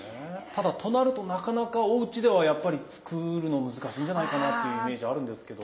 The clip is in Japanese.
ただとなるとなかなかおうちではやっぱり作るの難しいんじゃないかなというイメージあるんですけど。